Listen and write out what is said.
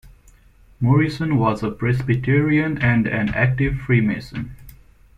Morrison was a Presbyterian and an active freemason.